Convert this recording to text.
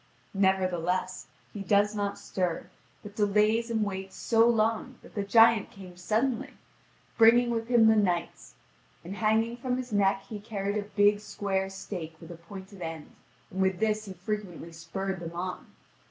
Nevertheless, he does not stir, but delays and waits so long that the giant came suddenly, bringing with him the knights: and hanging from his neck he carried a big square stake with a pointed end, and with this he frequently spurred them on.